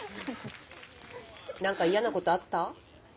なんか嫌なことあった？